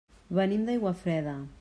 Venim d'Aiguafreda.